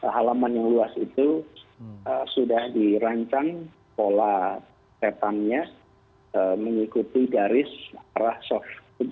halaman yang luas itu sudah dirancang pola setannya mengikuti garis arah soft